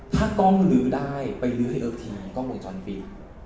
ถ้ากล้องลื้อได้ไปลื้อให้เอิ๊กทีกล้องบนช้อนฟิต